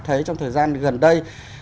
thấy trong thời gian gần đây